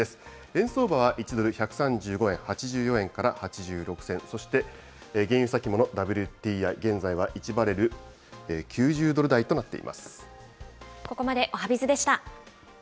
円相場は１ドル１３５円８４銭から８６銭、そして原油先物・ＷＴＩ、現在は１バレル９０ドル台となっています。